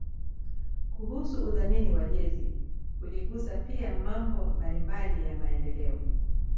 kuhusu udhamini wa jezi uligusa pia mambo mbalimbali ya maendeleo